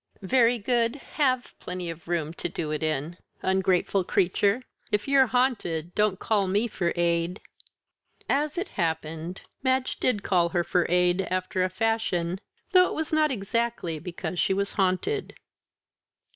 "Very good have plenty of room to do it in. Ungrateful creature! If you're haunted, don't call to me for aid." As it happened, Madge did call to her for aid, after a fashion; though it was not exactly because she was haunted.